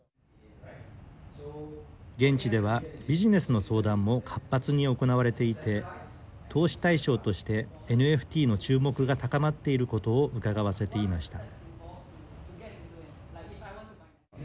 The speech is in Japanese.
現地ではビジネスの相談も活発に行われていて投資対象としてＮＦＴの注目が高まっていることをうかがわせていました。